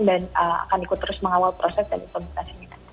dan akan ikut terus mengawal proses dan konsultasi